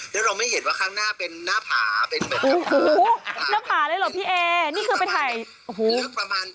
ตรงนี้คือไปถ่าย